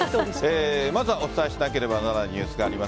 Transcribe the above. まずはお伝えしなければならないニュースがあります。